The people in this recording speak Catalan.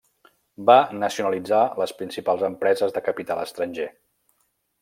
Va nacionalitzar les principals empreses de capital estranger.